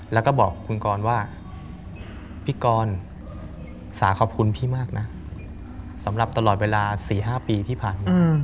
แล้วก็บอกคุณกรว่าพี่กรสาขอบคุณพี่มากนะสำหรับตลอดเวลา๔๕ปีที่ผ่านมา